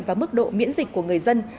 và mức độ miễn dịch của người dân